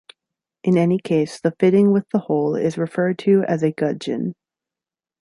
In any case, the fitting with the hole is referred to as a gudgeon.